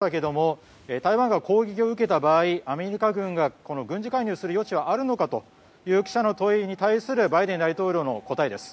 先ほどもスタジオで出ましたけども台湾が攻撃を受けた場合アメリカ軍が軍事介入する余地はあるのかという記者の問いに対するバイデン大統領の答えです。